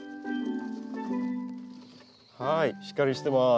はいしっかりしてます。